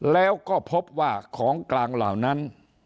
แล้วก็พบว่าของกลางเหล่านั้น